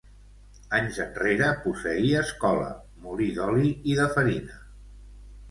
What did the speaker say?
Anys enrere posseí escola, molí d'oli i de farina.